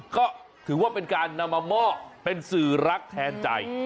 ก็ถือว่าเป็นการนำมามอบเป็นสื่อรักแทนใจ